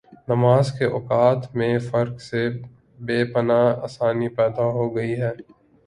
نمازکے اوقات میں فرق سے بے پناہ آسانی پیدا ہوگئی ہے۔